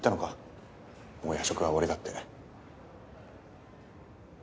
もう夜食は終わりだって。